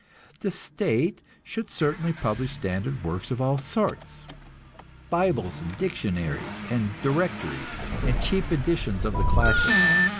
The state should certainly publish standard works of all sorts, bibles and dictionaries and directories, and cheap editions of the classics.